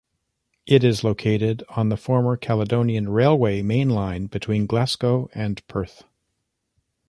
It is located on the former Caledonian Railway main line between Glasgow and Perth.